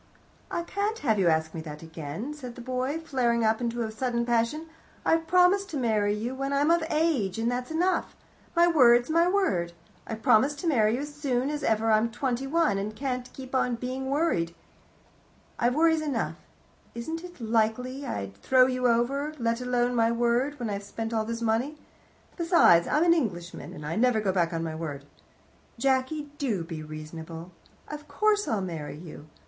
"I can't have you ask me that again," said the boy, flaring up into a sudden passion. "I've promised to marry you when I'm of age, and that's enough. My word's my word. I've promised to marry you as soon as ever I'm twenty one, and I can't keep on being worried. I've worries enough. It isn't likely I'd throw you over, let alone my word, when I've spent all this money. Besides, I'm an Englishman, and I never go back on my word. Jacky, do be reasonable. Of course I'll marry you.